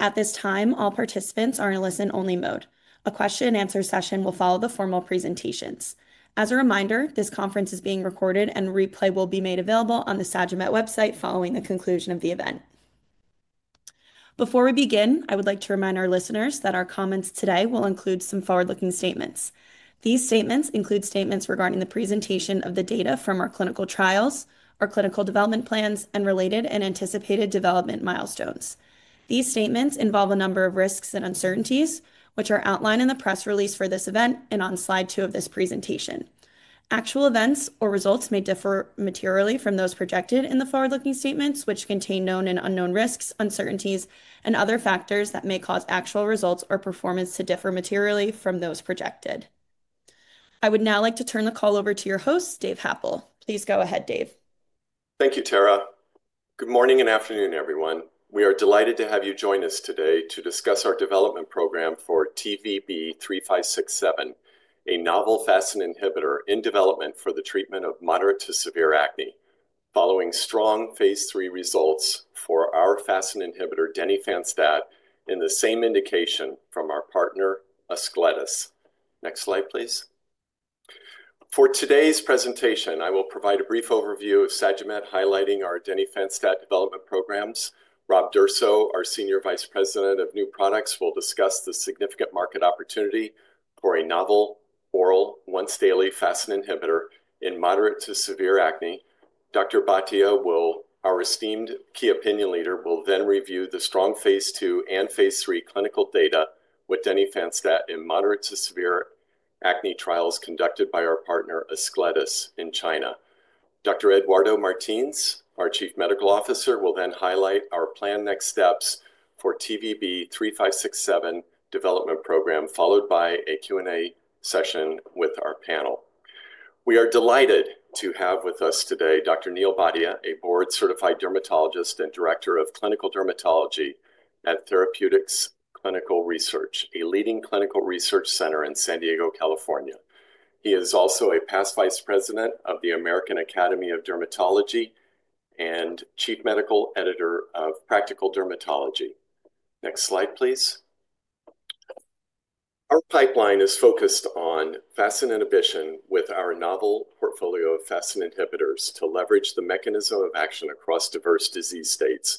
At this time, all participants are in listen-only mode. A question-and-answer session will follow the formal presentations. As a reminder, this conference is being recorded, and replay will be made available on the Sagimet website following the conclusion of the event. Before we begin, I would like to remind our listeners that our comments today will include some forward-looking statements. These statements include statements regarding the presentation of the data from our clinical trials, our clinical development plans, and related and anticipated development milestones. These statements involve a number of risks and uncertainties, which are outlined in the press release for this event and on slide two of this presentation. Actual events or results may differ materially from those projected in the forward-looking statements, which contain known and unknown risks, uncertainties, and other factors that may cause actual results or performance to differ materially from those projected. I would now like to turn the call over to your host, Dave Happel. Please go ahead, Dave. Thank you, Tara. Good morning and afternoon, everyone. We are delighted to have you join us today to discuss our development program for TVB-3567, a novel FASN inhibitor in development for the treatment of moderate to severe acne, following strong phase three results for our FASN inhibitor, denifanstat, in the same indication from our partner, Ascletis. Next slide, please. For today's presentation, I will provide a brief overview of Sagimet, highlighting our denifanstat development programs. Rob D'Urso, our Senior Vice President of New Products, will discuss the significant market opportunity for a novel oral once-daily FASN inhibitor in moderate to severe acne. Dr. Bhatia, our esteemed key opinion leader, will then review the strong phase two and phase three clinical data with denifanstat in moderate to severe acne trials conducted by our partner, Ascletis, in China. Dr. Eduardo Martins, our Chief Medical Officer, will then highlight our planned next steps for TVB-3567 development program, followed by a Q&A session with our panel. We are delighted to have with us today Dr. Neil Bhatia, a board-certified dermatologist and Director of Clinical Dermatology at Therapeutics Clinical Research, a leading clinical research center in San Diego, California. He is also a past Vice President of the American Academy of Dermatology and Chief Medical Editor of Practical Dermatology. Next slide, please. Our pipeline is focused on FASN inhibition with our novel portfolio of FASN inhibitors to leverage the mechanism of action across diverse disease states.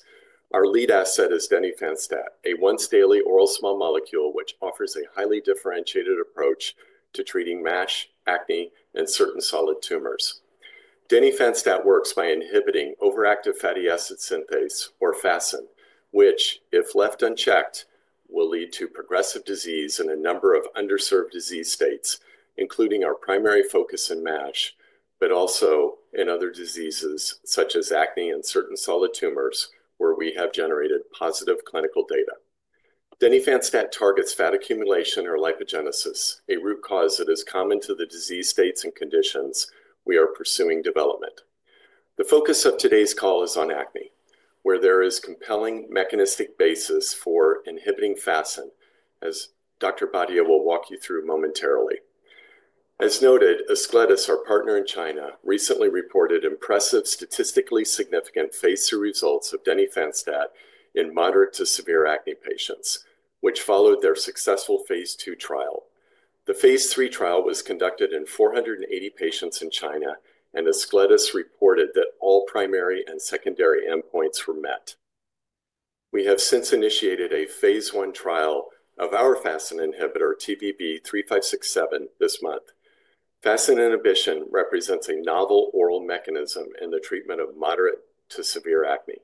Our lead asset is denifanstat, a once-daily oral small molecule which offers a highly differentiated approach to treating MASH, acne, and certain solid tumors. Denifanstat works by inhibiting overactive fatty acid synthase, or FASN, which, if left unchecked, will lead to progressive disease in a number of underserved disease states, including our primary focus in MASH, but also in other diseases such as acne and certain solid tumors where we have generated positive clinical data. Denifanstat targets fat accumulation or lipogenesis, a root cause that is common to the disease states and conditions we are pursuing development. The focus of today's call is on acne, where there is a compelling mechanistic basis for inhibiting FASN, as Dr. Bhatia will walk you through momentarily. As noted, Ascletis, our partner in China, recently reported impressive statistically significant phase three results of denifanstat in moderate to severe acne patients, which followed their successful phase two trial. The phase three trial was conducted in 480 patients in China, and Ascletis reported that all primary and secondary endpoints were met. We have since initiated a phase one trial of our FASN inhibitor, TVB-3567, this month. FASN inhibition represents a novel oral mechanism in the treatment of moderate to severe acne.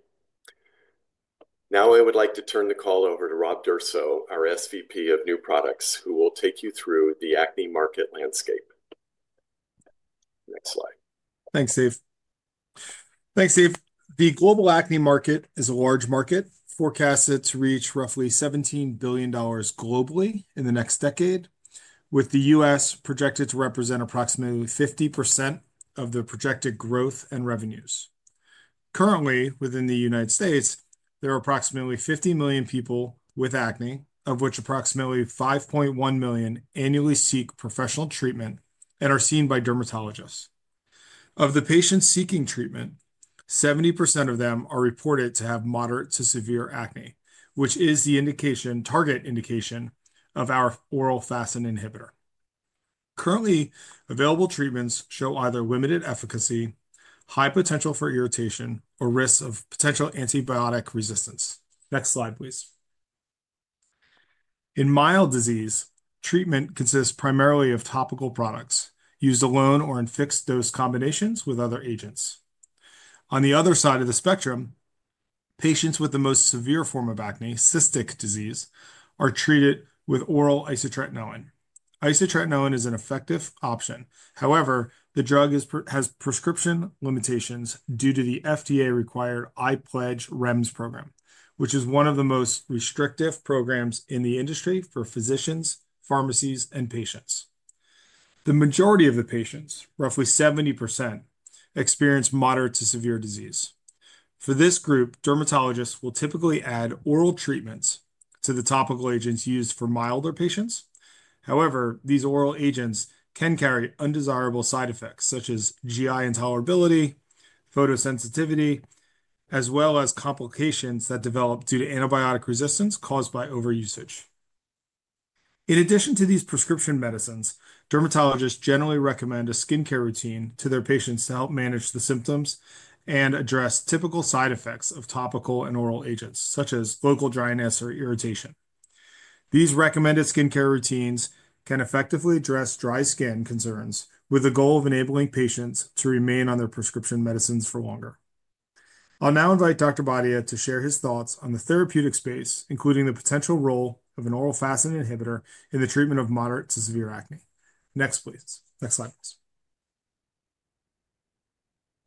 Now, I would like to turn the call over to Rob D’Urso, our SVP of New Products, who will take you through the acne market landscape. Next slide. Thanks, Dave. The global acne market is a large market. Forecasts it to reach roughly $17 billion globally in the next decade, with the U.S. projected to represent approximately 50% of the projected growth and revenues. Currently, within the United States, there are approximately 50 million people with acne, of which approximately 5.1 million annually seek professional treatment and are seen by dermatologists. Of the patients seeking treatment, 70% of them are reported to have moderate to severe acne, which is the target indication of our oral FASN inhibitor. Currently, available treatments show either limited efficacy, high potential for irritation, or risks of potential antibiotic resistance. Next slide, please. In mild disease, treatment consists primarily of topical products used alone or in fixed dose combinations with other agents. On the other side of the spectrum, patients with the most severe form of acne, cystic disease, are treated with oral isotretinoin. Isotretinoin is an effective option. However, the drug has prescription limitations due to the FDA-required iPLEDGE REMS program, which is one of the most restrictive programs in the industry for physicians, pharmacies, and patients. The majority of the patients, roughly 70%, experience moderate to severe disease. For this group, dermatologists will typically add oral treatments to the topical agents used for milder patients. However, these oral agents can carry undesirable side effects such as GI intolerability, photosensitivity, as well as complications that develop due to antibiotic resistance caused by overusage. In addition to these prescription medicines, dermatologists generally recommend a skincare routine to their patients to help manage the symptoms and address typical side effects of topical and oral agents, such as local dryness or irritation. These recommended skincare routines can effectively address dry skin concerns with the goal of enabling patients to remain on their prescription medicines for longer. I'll now invite Dr. Bhatia to share his thoughts on the therapeutic space, including the potential role of an oral FASN inhibitor in the treatment of moderate to severe acne. Next, please. Next slide, please.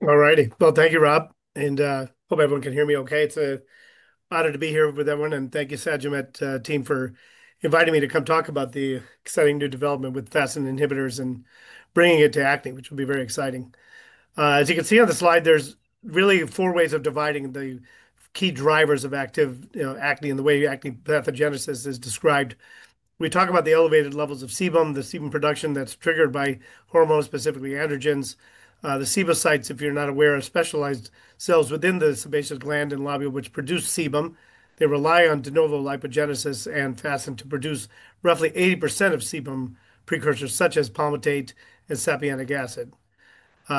All righty. Thank you, Rob. I hope everyone can hear me okay. It's an honor to be here with everyone. Thank you, Sagimet team, for inviting me to come talk about the exciting new development with FASN inhibitors and bringing it to acne, which will be very exciting. As you can see on the slide, there are really four ways of dividing the key drivers of acne and the way acne pathogenesis is described. We talk about the elevated levels of sebum, the sebum production that's triggered by hormones, specifically androgens. The sebocytes, if you're not aware, are specialized cells within the sebaceous gland and lobule which produce sebum. They rely on de novo lipogenesis and FASN to produce roughly 80% of sebum precursors, such as palmitate and saponinic acid.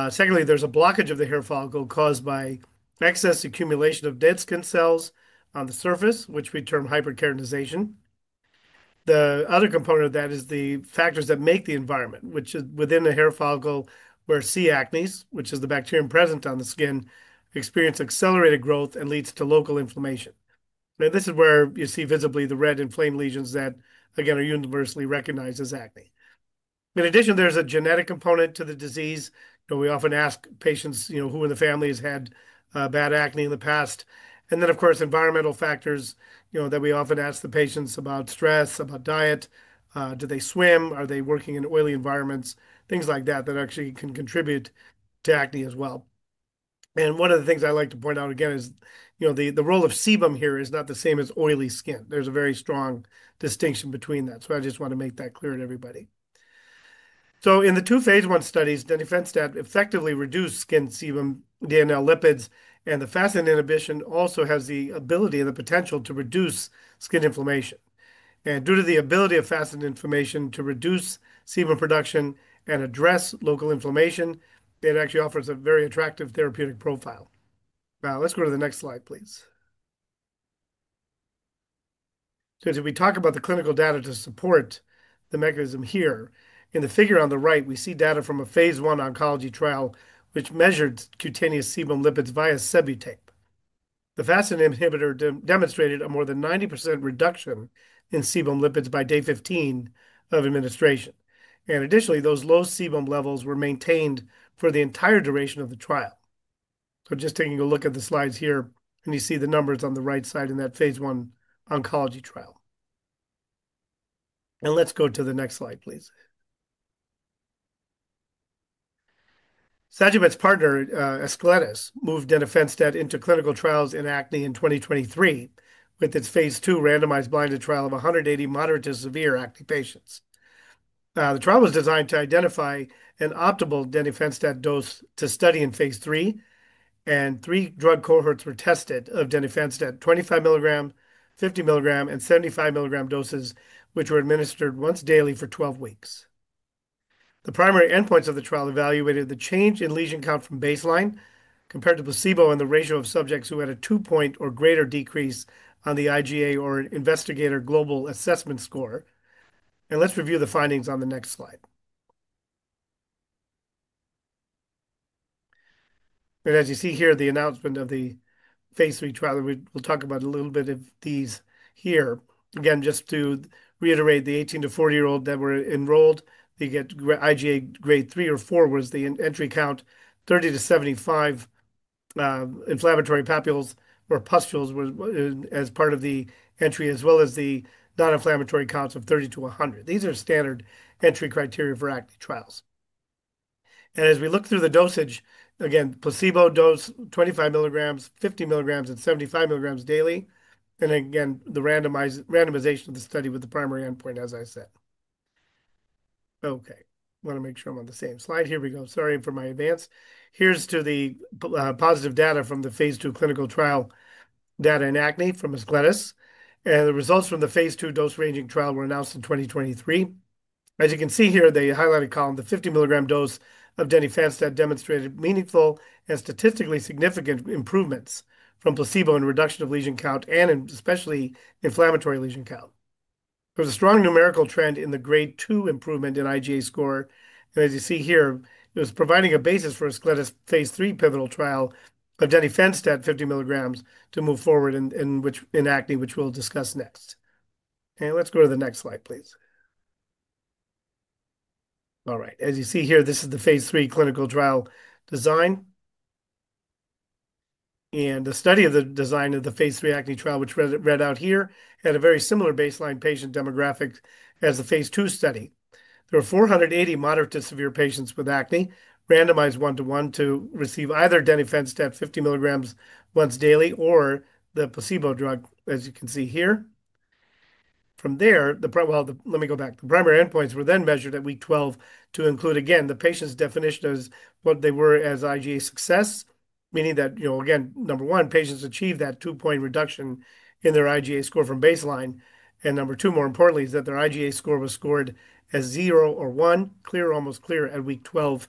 Secondly, there's a blockage of the hair follicle caused by excess accumulation of dead skin cells on the surface, which we term hyperkeratinisation. The other component of that is the factors that make the environment, which is within the hair follicle where C. acnes, which is the bacterium present on the skin, experience accelerated growth and leads to local inflammation. This is where you see visibly the red inflamed lesions that, again, are universally recognized as acne. In addition, there's a genetic component to the disease. We often ask patients, you know, who in the family has had bad acne in the past. Of course, environmental factors, you know, that we often ask the patients about stress, about diet. Do they swim? Are they working in oily environments? Things like that that actually can contribute to acne as well. One of the things I like to point out, again, is, you know, the role of sebum here is not the same as oily skin. There is a very strong distinction between that. I just want to make that clear to everybody. In the two phase I studies, denifanstat effectively reduced skin sebum DNL lipids, and the FASN inhibition also has the ability and the potential to reduce skin inflammation. Due to the ability of FASN inhibition to reduce sebum production and address local inflammation, it actually offers a very attractive therapeutic profile. Now, let's go to the next slide, please. Since we talk about the clinical data to support the mechanism here, in the figure on the right, we see data from a phase I oncology trial which measured cutaneous sebum lipids via Sebutape. The FASN inhibitor demonstrated a more than 90% reduction in sebum lipids by day 15 of administration. Additionally, those low sebum levels were maintained for the entire duration of the trial. Just taking a look at the slides here, you see the numbers on the right side in that phase one oncology trial. Let's go to the next slide, please. Sagimet's partner, Ascletis, moved denifanstat into clinical trials in acne in 2023 with its phase two randomized blinded trial of 180 moderate to severe acne patients. The trial was designed to identify an optimal denifanstat dose to study in phase three, and three drug cohorts were tested of denifanstat 25 milligram, 50 milligram, and 75 milligram doses, which were administered once daily for 12 weeks. The primary endpoints of the trial evaluated the change in lesion count from baseline compared to placebo and the ratio of subjects who had a two-point or greater decrease on the IGA or Investigator Global Assessment Score. Let's review the findings on the next slide. As you see here, the announcement of the phase three trial, we'll talk about a little bit of these here. Again, just to reiterate, the 18-40-year-old that were enrolled, they get IGA grade three or four, whereas the entry count, 30-75 inflammatory papules or pustules as part of the entry, as well as the non-inflammatory counts of 30-100. These are standard entry criteria for acne trials. As we look through the dosage, again, placebo dose, 25 milligrams, 50 milligrams, and 75 milligrams daily. Again, the randomization of the study with the primary endpoint, as I said. Okay. Want to make sure I'm on the same slide. Here we go. Sorry for my advance. Here's to the positive data from the phase two clinical trial data in acne from Ascletis. The results from the phase two dose ranging trial were announced in 2023. As you can see here, the highlighted column, the 50 milligram dose of denifanstat demonstrated meaningful and statistically significant improvements from placebo in reduction of lesion count and especially inflammatory lesion count. There was a strong numerical trend in the grade two improvement in IGA score. As you see here, it was providing a basis for Ascletis phase three pivotal trial of denifanstat 50 milligrams to move forward in acne, which we'll discuss next. Let's go to the next slide, please. All right. As you see here, this is the phase three clinical trial design. The study of the design of the phase three acne trial, which read out here, had a very similar baseline patient demographic as the phase two study. There were 480 moderate to severe patients with acne, randomized one to one to receive either denifanstat 50 milligrams once daily or the placebo drug, as you can see here. From there, let me go back. The primary endpoints were then measured at week 12 to include, again, the patient's definition of what they were as IGA success, meaning that, you know, again, number one, patients achieved that two-point reduction in their IGA score from baseline. Number two, more importantly, is that their IGA score was scored as zero or one, clear or almost clear at week 12,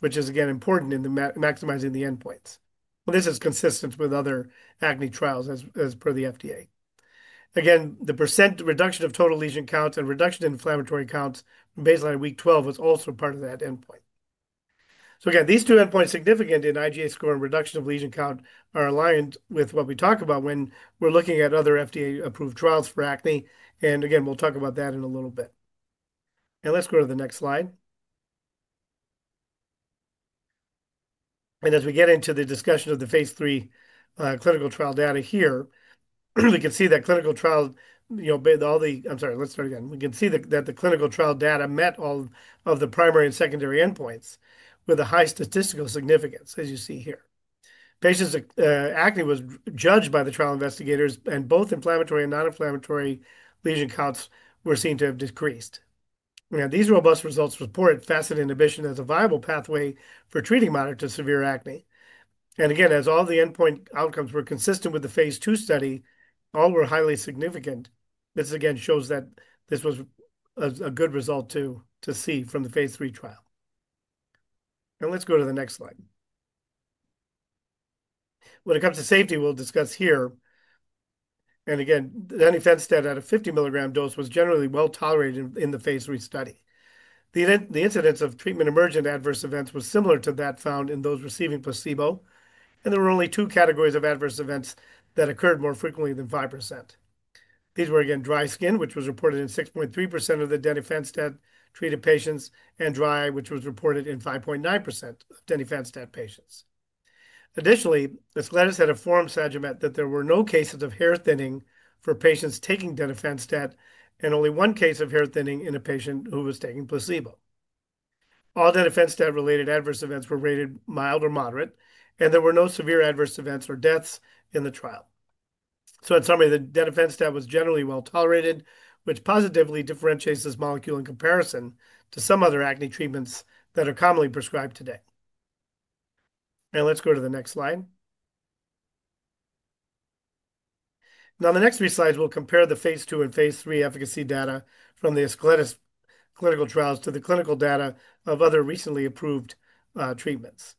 which is, again, important in maximizing the endpoints. This is consistent with other acne trials, as per the FDA. Again, the % reduction of total lesion counts and reduction in inflammatory counts from baseline at week 12 was also part of that endpoint. These two endpoints, significant in IGA score and reduction of lesion count, are aligned with what we talk about when we're looking at other FDA-approved trials for acne. We'll talk about that in a little bit. Let's go to the next slide. As we get into the discussion of the phase three clinical trial data here, we can see that clinical trial, you know, all the—I'm sorry, let's start again. We can see that the clinical trial data met all of the primary and secondary endpoints with a high statistical significance, as you see here. Patients' acne was judged by the trial investigators, and both inflammatory and non-inflammatory lesion counts were seen to have decreased. These robust results reported FASN inhibition as a viable pathway for treating moderate to severe acne. As all the endpoint outcomes were consistent with the phase two study, all were highly significant. This shows that this was a good result to see from the phase three trial. Let's go to the next slide. When it comes to safety, we'll discuss here. Denifanstat at a 50 mg dose was generally well tolerated in the phase three study. The incidence of treatment-emergent adverse events was similar to that found in those receiving placebo. There were only two categories of adverse events that occurred more frequently than 5%. These were, again, dry skin, which was reported in 6.3% of the denifanstat treated patients, and dry, which was reported in 5.9% of denifanstat patients. Additionally, Ascletis had affirmed Sagimet that there were no cases of hair thinning for patients taking denifanstat and only one case of hair thinning in a patient who was taking placebo. All denifanstat-related adverse events were rated mild or moderate, and there were no severe adverse events or deaths in the trial. In summary, the denifanstat was generally well tolerated, which positively differentiates this molecule in comparison to some other acne treatments that are commonly prescribed today. Let's go to the next slide. Now, on the next three slides, we'll compare the phase two and phase three efficacy data from the Ascletis clinical trials to the clinical data of other recently approved treatments.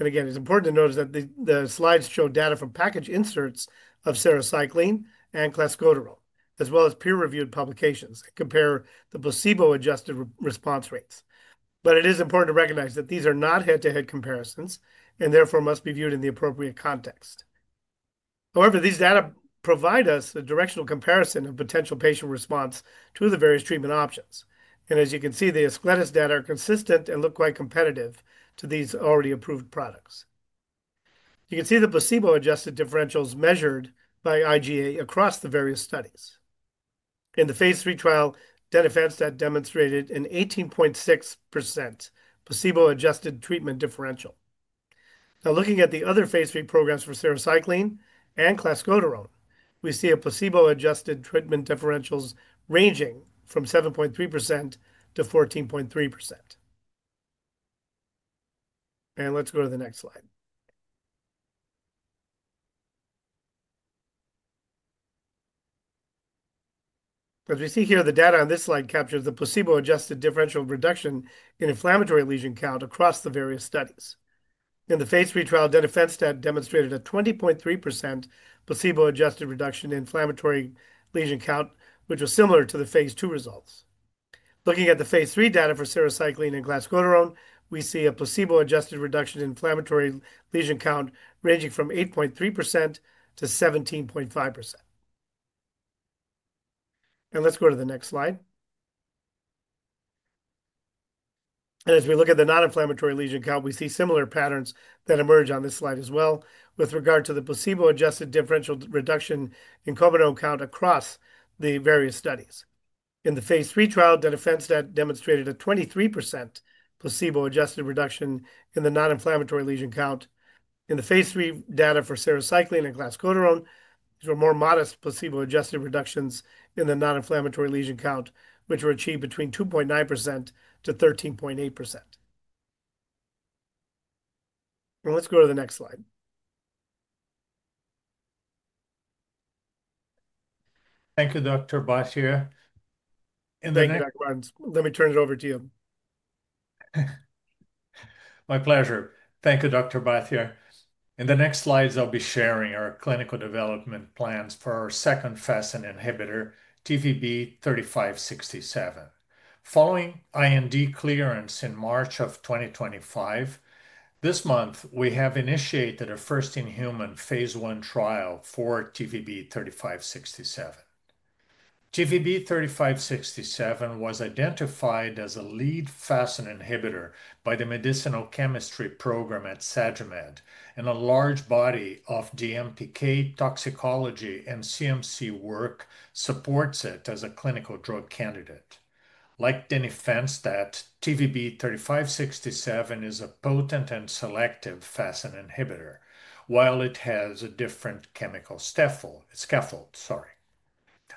Again, it's important to notice that the slides show data from package inserts of sarecycline and clascoterone, as well as peer-reviewed publications that compare the placebo-adjusted response rates. It is important to recognize that these are not head-to-head comparisons and therefore must be viewed in the appropriate context. However, these data provide us a directional comparison of potential patient response to the various treatment options. As you can see, the Ascletis data are consistent and look quite competitive to these already approved products. You can see the placebo-adjusted differentials measured by IGA across the various studies. In the phase three trial, denifanstat demonstrated an 18.6% placebo-adjusted treatment differential. Now, looking at the other phase three programs for sarecycline and clascoterone, we see placebo-adjusted treatment differentials ranging from 7.3%-14.3%. Let's go to the next slide. As we see here, the data on this slide captures the placebo-adjusted differential reduction in inflammatory lesion count across the various studies. In the phase three trial, denifanstat demonstrated a 20.3% placebo-adjusted reduction in inflammatory lesion count, which was similar to the phase two results. Looking at the phase three data for sarecycline and clascoterone, we see a placebo-adjusted reduction in inflammatory lesion count ranging from 8.3%-17.5%. Let's go to the next slide. As we look at the non-inflammatory lesion count, we see similar patterns that emerge on this slide as well with regard to the placebo-adjusted differential reduction in comedone count across the various studies. In the phase three trial, denifanstat demonstrated a 23% placebo-adjusted reduction in the non-inflammatory lesion count. In the phase three data for sarecycline and clascoterone, these were more modest placebo-adjusted reductions in the non-inflammatory lesion count, which were achieved between 2.9%-13.8%. Let's go to the next slide. Thank you, Dr. Bhatia. In the next—let me turn it over to you. My pleasure. Thank you, Dr. Bhatia. In the next slides, I'll be sharing our clinical development plans for our second FASN inhibitor, TVB-3567. Following IND clearance in March of 2025, this month, we have initiated a first in human phase one trial for TVB-3567. TVB-3567 was identified as a lead FASN inhibitor by the Medicinal Chemistry Program at Sagimet, and a large body of DMPK, toxicology, and CMC work supports it as a clinical drug candidate. Like denifanstat, TVB-3567 is a potent and selective FASN inhibitor, while it has a different chemical scaffold. Sorry.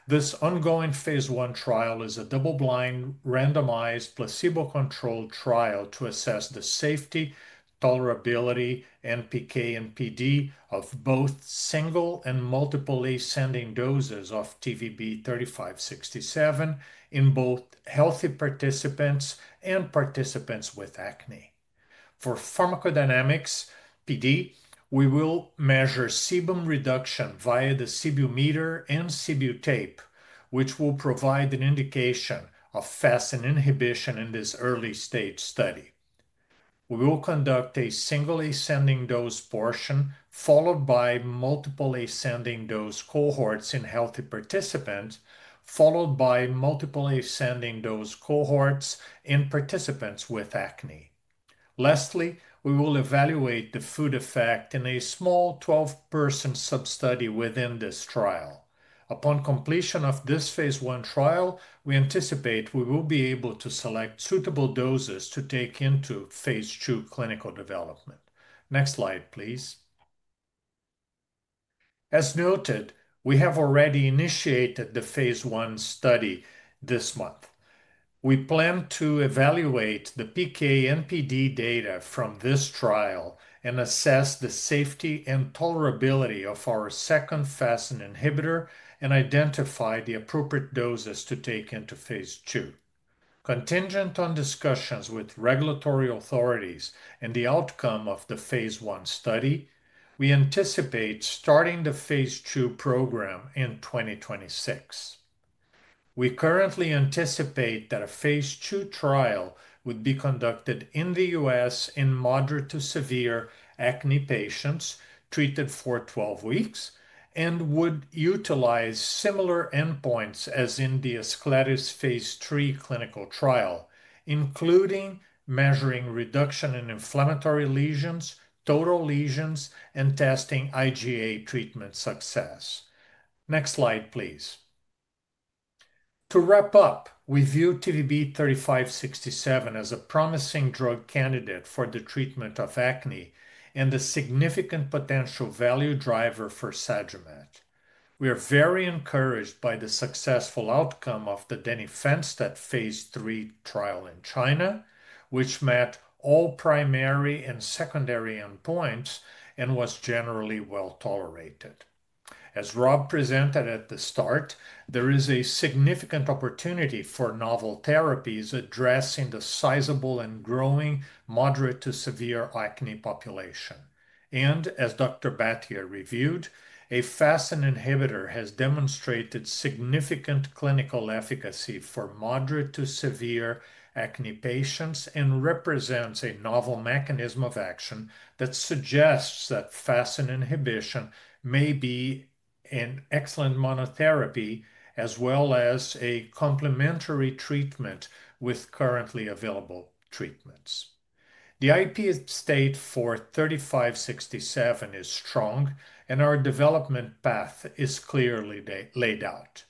This ongoing phase one trial is a double-blind randomized placebo-controlled trial to assess the safety, tolerability, PK, and PD of both single and multiple ascending doses of TVB-3567 in both healthy participants and participants with acne. For pharmacodynamics, PD, we will measure sebum reduction via the Sebometer and Sebutape, which will provide an indication of FASN inhibition in this early-stage study. We will conduct a single ascending dose portion followed by multiple ascending dose cohorts in healthy participants, followed by multiple ascending dose cohorts in participants with acne. Lastly, we will evaluate the food effect in a small 12-person sub-study within this trial. Upon completion of this phase one trial, we anticipate we will be able to select suitable doses to take into phase two clinical development. Next slide, please. As noted, we have already initiated the phase one study this month. We plan to evaluate the PK and PD data from this trial and assess the safety and tolerability of our second FASN inhibitor and identify the appropriate doses to take into phase two. Contingent on discussions with regulatory authorities and the outcome of the phase one study, we anticipate starting the phase two program in 2026. We currently anticipate that a phase two trial would be conducted in the U.S. in moderate to severe acne patients treated for 12 weeks and would utilize similar endpoints as in the Ascletis phase three clinical trial, including measuring reduction in inflammatory lesions, total lesions, and testing IGA treatment success. Next slide, please. To wrap up, we view TVB-3567 as a promising drug candidate for the treatment of acne and a significant potential value driver for Sagimet. We are very encouraged by the successful outcome of the denifanstat phase three trial in China, which met all primary and secondary endpoints and was generally well tolerated. As Rob presented at the start, there is a significant opportunity for novel therapies addressing the sizable and growing moderate to severe acne population. As Dr. Bhatia reviewed, a FASN inhibitor has demonstrated significant clinical efficacy for moderate to severe acne patients and represents a novel mechanism of action that suggests that FASN inhibition may be an excellent monotherapy as well as a complementary treatment with currently available treatments. The IP state for 3567 is strong, and our development path is clearly laid out.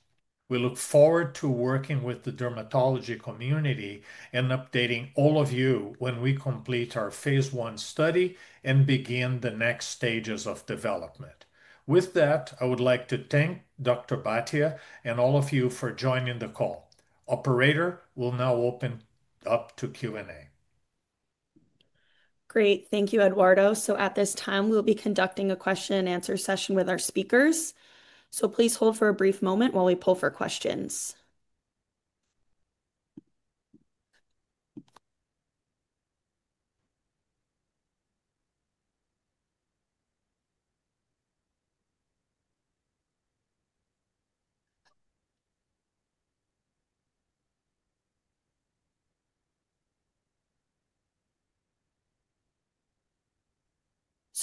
We look forward to working with the dermatology community and updating all of you when we complete our phase one study and begin the next stages of development. With that, I would like to thank Dr. Bhatia and all of you for joining the call. Operator will now open up to Q&A. Great. Thank you, Eduardo. At this time, we'll be conducting a question-and-answer session with our speakers. Please hold for a brief moment while we pull for questions.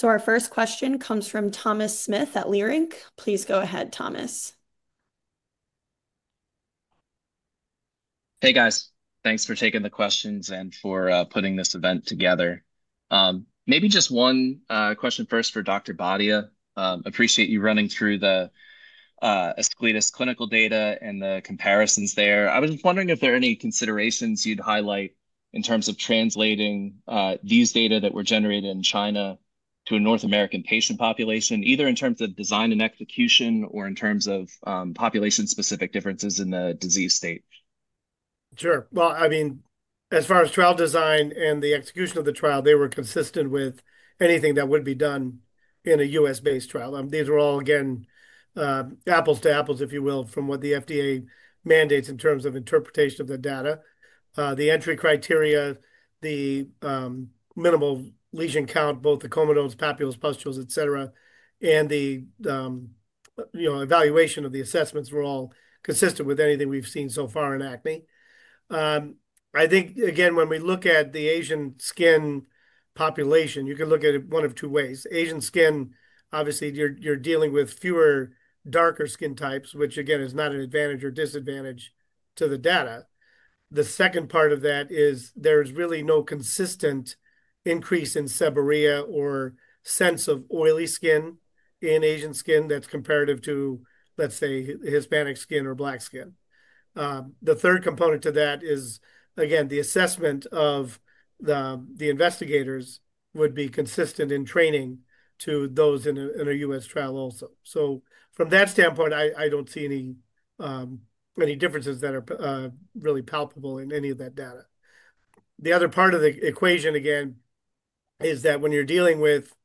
Our first question comes from Thomas Smith at Leerink. Please go ahead, Thomas. Hey, guys. Thanks for taking the questions and for putting this event together. Maybe just one question first for Dr. Bhatia. Appreciate you running through the Ascletis clinical data and the comparisons there. I was just wondering if there are any considerations you'd highlight in terms of translating these data that were generated in China to a North American patient population, either in terms of design and execution or in terms of population-specific differences in the disease state. Sure. As far as trial design and the execution of the trial, they were consistent with anything that would be done in a U.S.-based trial. These were all, again, apples to apples, if you will, from what the FDA mandates in terms of interpretation of the data. The entry criteria, the minimal lesion count, both the comedones, papules, pustules, et cetera, and the evaluation of the assessments were all consistent with anything we've seen so far in acne. I think, again, when we look at the Asian skin population, you can look at it one of two ways. Asian skin, obviously, you're dealing with fewer darker skin types, which, again, is not an advantage or disadvantage to the data. The second part of that is there is really no consistent increase in seborrhea or sense of oily skin in Asian skin that's comparative to, let's say, Hispanic skin or Black skin. The third component to that is, again, the assessment of the investigators would be consistent in training to those in a U.S. trial also. From that standpoint, I don't see any differences that are really palpable in any of that data. The other part of the equation, again, is that when you're dealing with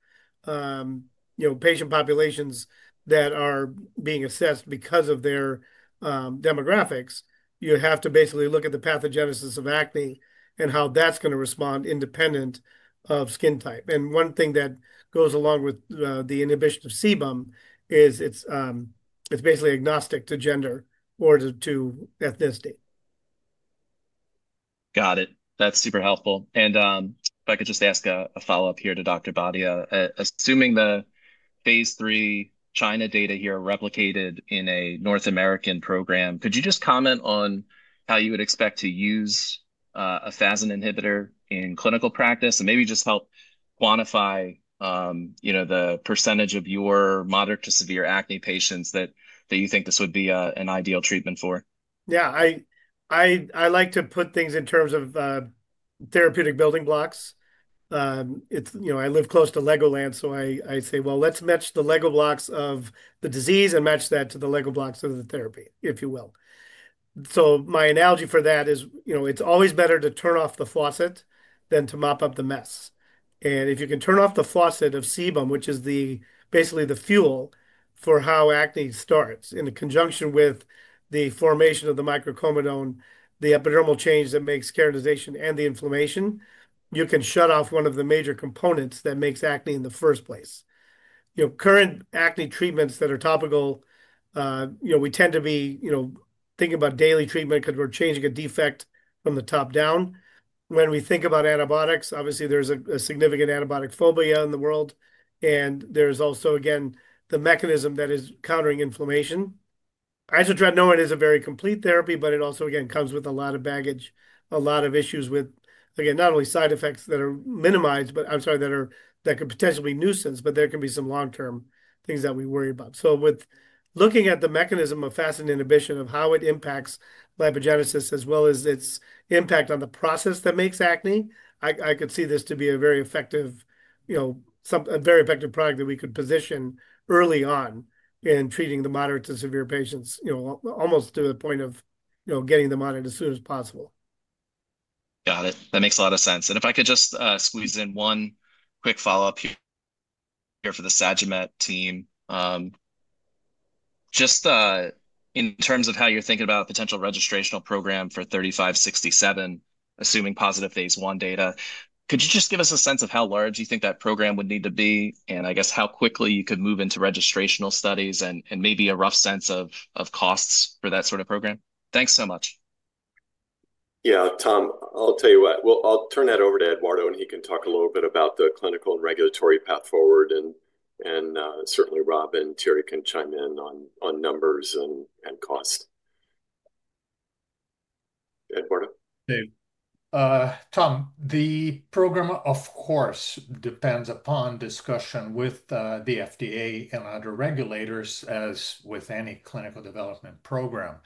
patient populations that are being assessed because of their demographics, you have to basically look at the pathogenesis of acne and how that's going to respond independent of skin type. One thing that goes along with the inhibition of sebum is it's basically agnostic to gender or to ethnicity. Got it. That's super helpful. If I could just ask a follow-up here to Dr. Bhatia, assuming the phase three China data here are replicated in a North American program, could you just comment on how you would expect to use a FASN inhibitor in clinical practice and maybe just help quantify the percentage of your moderate to severe acne patients that you think this would be an ideal treatment for? Yeah. I like to put things in terms of therapeutic building blocks. I live close to Legoland, so I say, "Let's match the Lego blocks of the disease and match that to the Lego blocks of the therapy," if you will. My analogy for that is it's always better to turn off the faucet than to mop up the mess. If you can turn off the faucet of sebum, which is basically the fuel for how acne starts in conjunction with the formation of the microcomedone, the epidermal change that makes keratinization and the inflammation, you can shut off one of the major components that makes acne in the first place. Current acne treatments that are topical, we tend to be thinking about daily treatment because we're changing a defect from the top down. When we think about antibiotics, obviously, there's a significant antibiotic phobia in the world. There's also, again, the mechanism that is countering inflammation. Isotretinoin is a very complete therapy, but it also, again, comes with a lot of baggage, a lot of issues with, again, not only side effects that are minimized, but, I'm sorry, that could potentially be nuisance, but there can be some long-term things that we worry about. With looking at the mechanism of FASN inhibition, of how it impacts lipogenesis as well as its impact on the process that makes acne, I could see this to be a very effective product that we could position early on in treating the moderate to severe patients almost to the point of getting them on it as soon as possible. Got it. That makes a lot of sense. If I could just squeeze in one quick follow-up here for the Sagimet team, just in terms of how you're thinking about a potential registrational program for 3567, assuming positive phase I data, could you just give us a sense of how large you think that program would need to be and, I guess, how quickly you could move into registrational studies and maybe a rough sense of costs for that sort of program? Thanks so much. Yeah, Tom, I'll tell you what. I'll turn that over to Eduardo and he can talk a little bit about the clinical and regulatory path forward. Certainly, Rob and Terry can chime in on numbers and cost. Eduardo. Tom, the program, of course, depends upon discussion with the FDA and other regulators as with any clinical development program.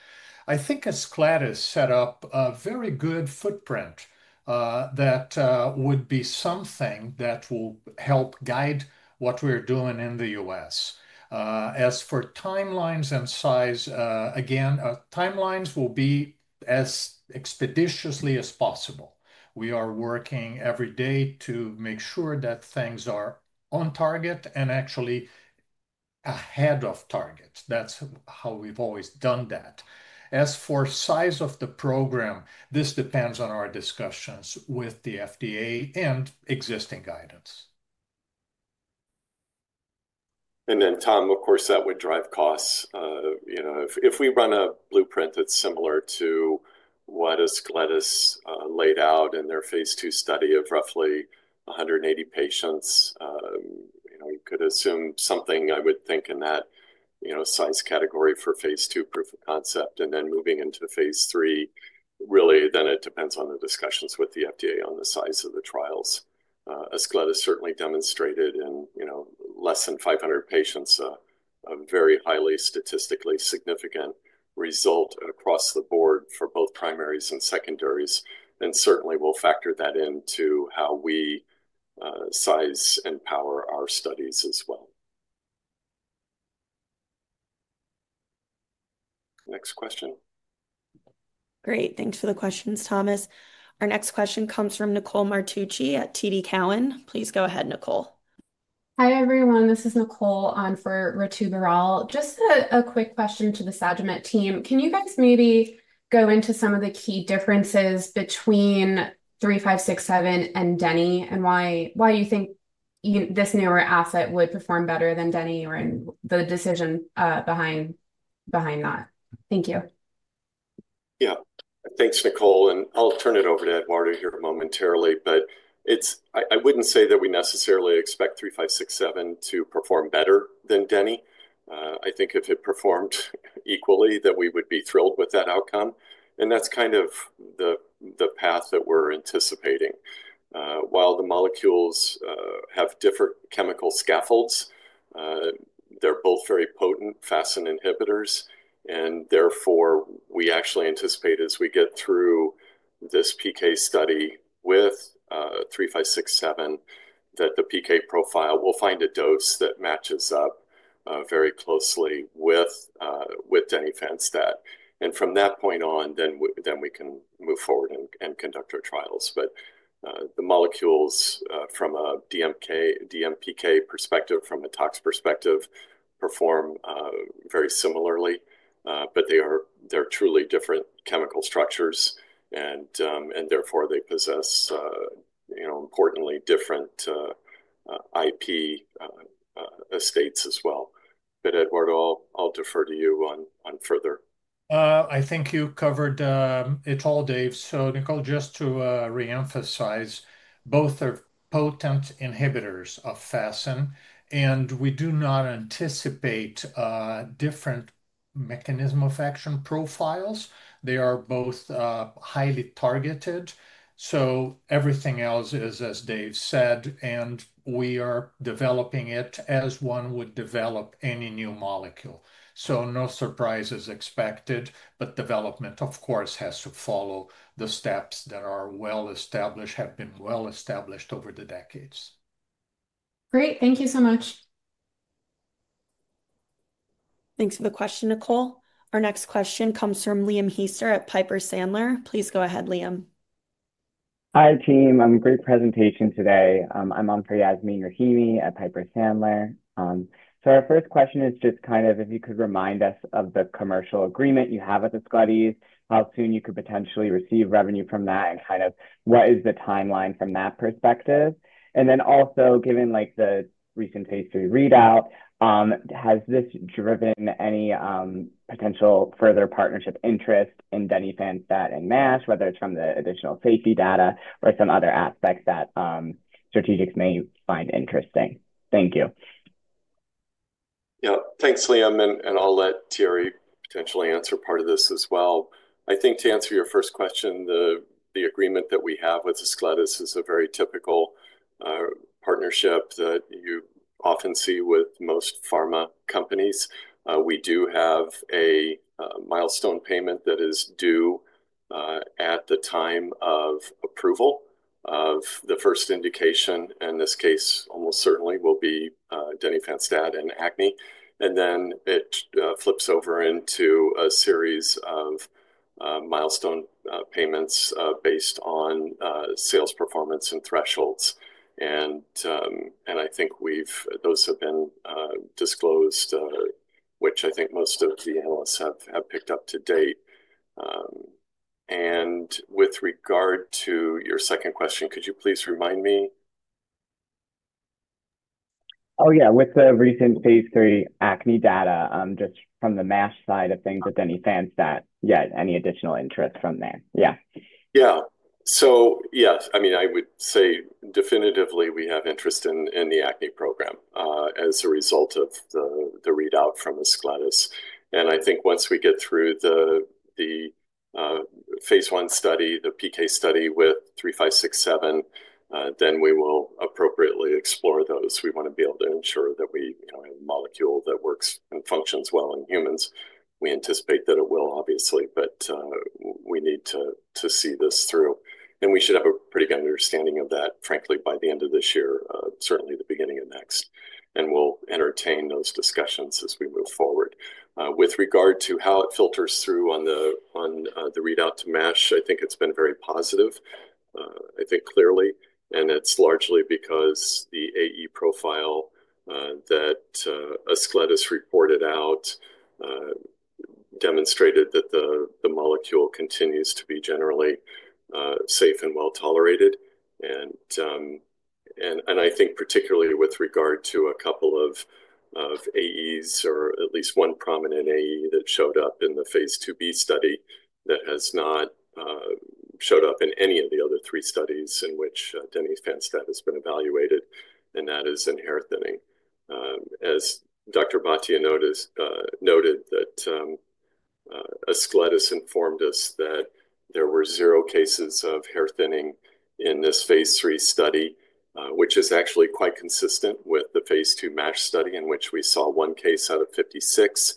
I think Ascletis set up a very good footprint that would be something that will help guide what we're doing in the U.S. As for timelines and size, again, timelines will be as expeditiously as possible. We are working every day to make sure that things are on target and actually ahead of target. That's how we've always done that. As for size of the program, this depends on our discussions with the FDA and existing guidance. Then, Tom, of course, that would drive costs. If we run a blueprint that's similar to what Ascletis laid out in their phase two study of roughly 180 patients, you could assume something, I would think, in that size category for phase two proof of concept. Moving into phase three, really, it depends on the discussions with the FDA on the size of the trials. Ascletis certainly demonstrated in less than 500 patients a very highly statistically significant result across the board for both primaries and secondaries. Certainly, we'll factor that into how we size and power our studies as well. Next question. Great. Thanks for the questions, Thomas. Our next question comes from Nicole Martucci at TD Cowen. Please go ahead, Nicole. Hi, everyone. This is Nicole on for Rutubirol. Just a quick question to the Sagimet team. Can you guys maybe go into some of the key differences between 3567 and Denny and why you think this newer asset would perform better than Denny or the decision behind that? Thank you. Yeah. Thanks, Nicole. I'll turn it over to Eduardo here momentarily. I wouldn't say that we necessarily expect 3567 to perform better than Denny. I think if it performed equally, we would be thrilled with that outcome. That's kind of the path that we're anticipating. While the molecules have different chemical scaffolds, they're both very potent FASN inhibitors. Therefore, we actually anticipate as we get through this PK study with 3567 that the PK profile, we'll find a dose that matches up very closely with Denifanstat. From that point on, we can move forward and conduct our trials. The molecules from a DMPK perspective, from a tox perspective, perform very similarly. They are truly different chemical structures. Therefore, they possess importantly different IP estates as well. Eduardo, I'll defer to you on further. I think you covered it all, Dave. Nicole, just to reemphasize, both are potent inhibitors of FASN. We do not anticipate different mechanism of action profiles. They are both highly targeted. Everything else is, as Dave said, and we are developing it as one would develop any new molecule. No surprises expected. Development, of course, has to follow the steps that are well established, have been well established over the decades. Great. Thank you so much. Thanks for the question, Nicole. Our next question comes from Liam Hiester at Piper Sandler. Please go ahead, Liam. Hi, team. Great presentation today. I'm on for Yasmeen Rahimi at Piper Sandler. Our first question is just kind of if you could remind us of the commercial agreement you have with Ascletis, how soon you could potentially receive revenue from that, and kind of what is the timeline from that perspective. Also, given the recent phase three readout, has this driven any potential further partnership interest in denifanstat and MASH, whether it's from the additional safety data or some other aspects that strategics may find interesting? Thank you. Yeah. Thanks, Liam. I'll let Terry potentially answer part of this as well. I think to answer your first question, the agreement that we have with Ascletis is a very typical partnership that you often see with most pharma companies. We do have a milestone payment that is due at the time of approval of the first indication. In this case, almost certainly will be denifanstat and acne. It flips over into a series of milestone payments based on sales performance and thresholds. I think those have been disclosed, which I think most of the analysts have picked up to date. With regard to your second question, could you please remind me? Oh, yeah. With the recent phase three acne data, just from the MASH side of things with denifanstat, any additional interest from there? Yeah. Yes, I mean, I would say definitively we have interest in the acne program as a result of the readout from Ascletis. I think once we get through the phase one study, the PK study with TVB-3567, then we will appropriately explore those. We want to be able to ensure that we have a molecule that works and functions well in humans. We anticipate that it will, obviously, but we need to see this through. We should have a pretty good understanding of that, frankly, by the end of this year, certainly the beginning of next. We will entertain those discussions as we move forward. With regard to how it filters through on the readout to MASH, I think it has been very positive, I think clearly. It is largely because the AE profile that Ascletis reported out demonstrated that the molecule continues to be generally safe and well tolerated. I think particularly with regard to a couple of AEs or at least one prominent AE that showed up in the phase 2b study that has not showed up in any of the other three studies in which denifanstat has been evaluated. That is in hair thinning. As Dr. Bhatia noted that Ascletis informed us that there were zero cases of hair thinning in this phase three study, which is actually quite consistent with the phase two MASH study in which we saw one case out of 56-50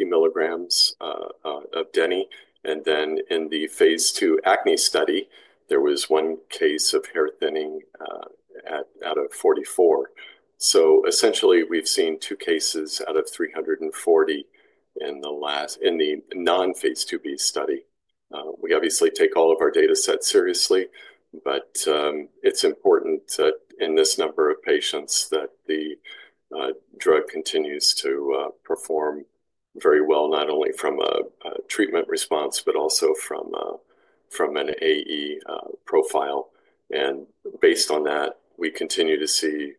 milligrams of Denny. In the phase two acne study, there was one case of hair thinning out of 44. Essentially, we've seen two cases out of 340 in the non-phase two B study. We obviously take all of our data sets seriously, but it's important that in this number of patients the drug continues to perform very well, not only from a treatment response, but also from an AE profile. Based on that, we continue to see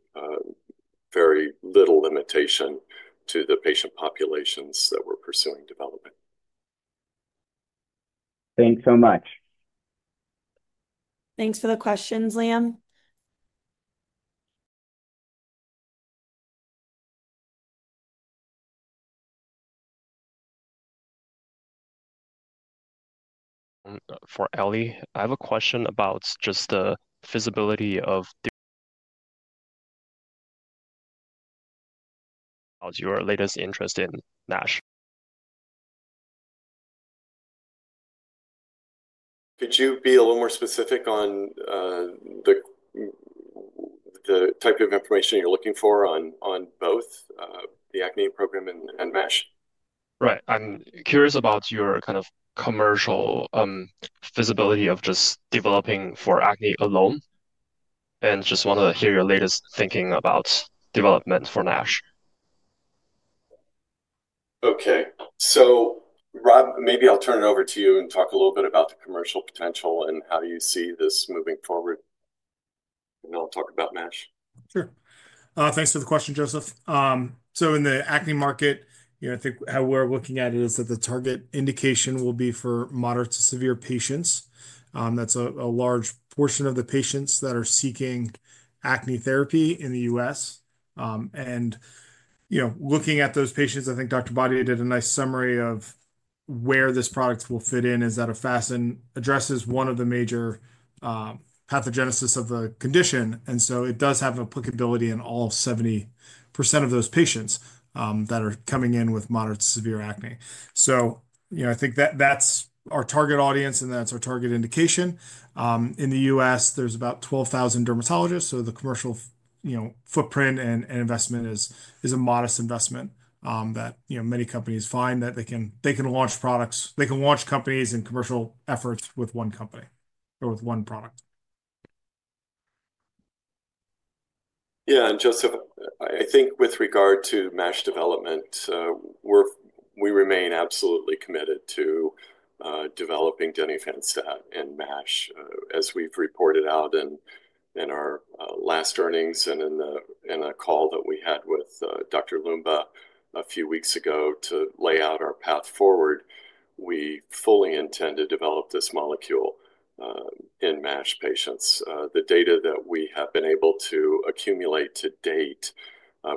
very little limitation to the patient populations that we're pursuing development. Thanks so much. Thanks for the questions, Liam. For Ellie, I have a question about just the feasibility of your latest interest in MASH. Could you be a little more specific on the type of information you're looking for on both the acne program and MASH? Right. I'm curious about your kind of commercial feasibility of just developing for acne alone. I just want to hear your latest thinking about development for MASH. Okay. Rob, maybe I'll turn it over to you and talk a little bit about the commercial potential and how you see this moving forward. I'll talk about MASH. Sure. Thanks for the question, Joseph. In the acne market, I think how we're looking at it is that the target indication will be for moderate to severe patients. That's a large portion of the patients that are seeking acne therapy in the U.S. Looking at those patients, I think Dr. Bhatia did a nice summary of where this product will fit in is that it addresses one of the major pathogenesis of the condition. It does have applicability in all 70% of those patients that are coming in with moderate to severe acne. I think that's our target audience and that's our target indication. In the U.S., there's about 12,000 dermatologists. The commercial footprint and investment is a modest investment that many companies find that they can launch products. They can launch companies and commercial efforts with one company or with one product. Yeah. Joseph, I think with regard to MASH development, we remain absolutely committed to developing denifanstat in MASH as we've reported out in our last earnings and in a call that we had with Dr. Lumba a few weeks ago to lay out our path forward. We fully intend to develop this molecule in MASH patients. The data that we have been able to accumulate to date,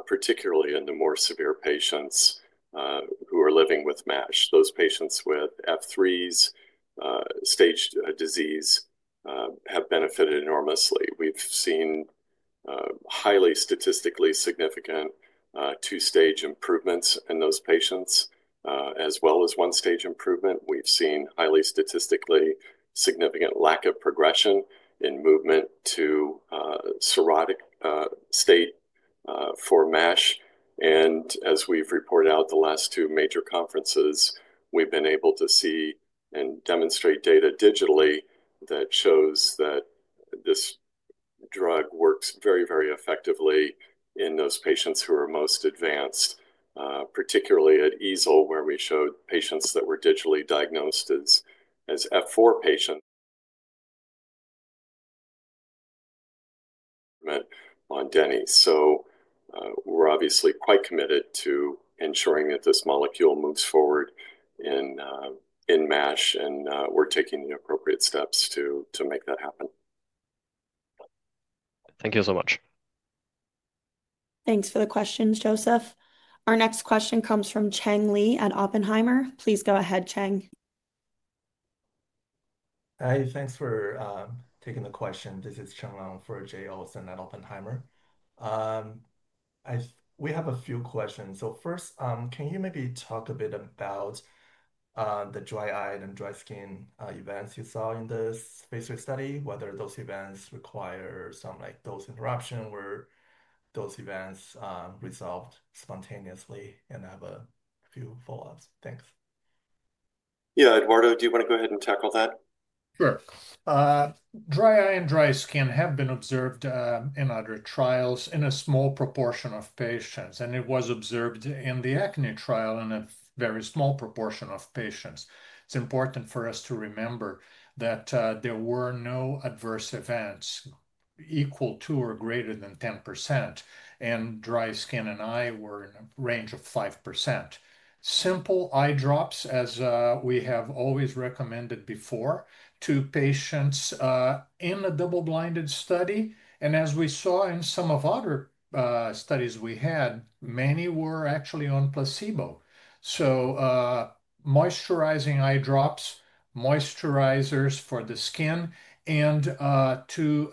particularly in the more severe patients who are living with MASH, those patients with F3s, staged disease have benefited enormously. We've seen highly statistically significant two-stage improvements in those patients as well as one-stage improvement. We've seen highly statistically significant lack of progression in movement to cirrhotic state for MASH. As we've reported out the last two major conferences, we've been able to see and demonstrate data digitally that shows that this drug works very, very effectively in those patients who are most advanced, particularly at ESOL, where we showed patients that were digitally diagnosed as F4 patients on Denny. We are obviously quite committed to ensuring that this molecule moves forward in MASH. We are taking the appropriate steps to make that happen. Thank you so much. Thanks for the questions, Joseph. Our next question comes from Cheng Li at Oppenheimer. Please go ahead, Chang. Hi. Thanks for taking the question. This is Chang Liang for JOSN at Oppenheimer. We have a few questions. First, can you maybe talk a bit about the dry eye and dry skin events you saw in this phase three study, whether those events require some dose interruption or those events resolved spontaneously and have a few follow-ups? Thanks. Yeah. Eduardo, do you want to go ahead and tackle that? Sure. Dry eye and dry skin have been observed in other trials in a small proportion of patients. It was observed in the acne trial in a very small proportion of patients. It's important for us to remember that there were no adverse events equal to or greater than 10%. Dry skin and eye were in a range of 5%. Simple eye drops, as we have always recommended before to patients in a double-blinded study. As we saw in some of the other studies we had, many were actually on placebo. Moisturizing eye drops, moisturizers for the skin. To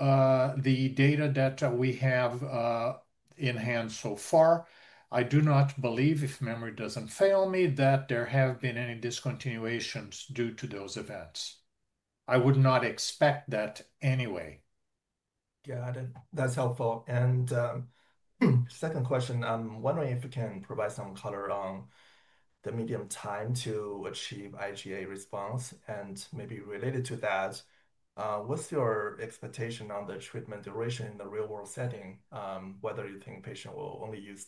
the data that we have in hand so far, I do not believe, if memory does not fail me, that there have been any discontinuations due to those events. I would not expect that anyway. Got it. That is helpful. Second question, I am wondering if you can provide some color on the median time to achieve IGA response. Maybe related to that, what's your expectation on the treatment duration in the real-world setting, whether you think a patient will only use